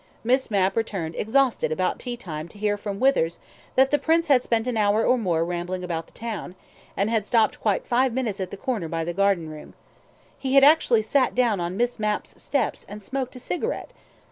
Miss Mapp returned exhausted about tea time to hear from Withers that the Prince had spent an hour or more rambling about the town, and had stopped quite five minutes at the corner by the garden room. He had actually sat down on Miss Mapps steps and smoked a cigarette.